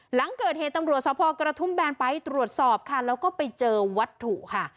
หลังเกิดเหตุตำรวจสภกระทุ่มแบนไปตรวจสอบค่ะแล้วก็ไปเจอวัตถุค่ะ